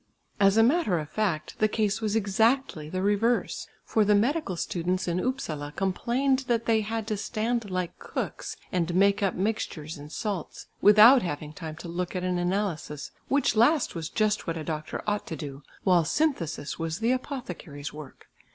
As a matter of fact the case was exactly the reverse for the medical students in Upsala complained that they had to stand like cooks and make up mixtures and salts, without having time to look at an analysis, which last was just what a doctor ought to do while synthesis was the apothecary's work.